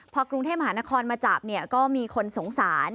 พอกรุงเทพมหานครมาจับเนี่ยก็มีคนสงสาร